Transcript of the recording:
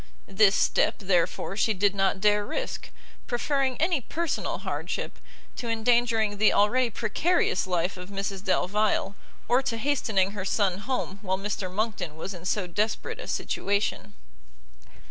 This step, therefore, she did not dare risk, preferring any personal hardship, to endangering the already precarious life of Mrs Delvile, or to hastening her son home while Mr Monckton was in so desperate a situation.